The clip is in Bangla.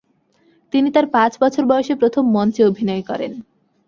তিনি তার পাঁচ বছর বয়সে প্রথম মঞ্চে অভিনয় করেন।